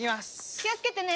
気をつけてね。